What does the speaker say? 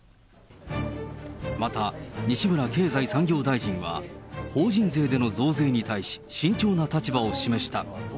また西村経済産業大臣は、法人税での増税に対し、慎重な立場を示した。